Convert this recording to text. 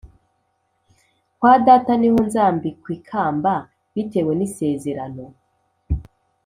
Kwa Data ni ho nzambikw' ikamba, Bitewe n'isezerano.